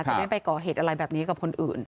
ไม่ไปก่อเหตุอะไรแบบนี้กับคนอื่น